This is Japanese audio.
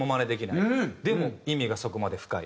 でも意味がそこまで深い。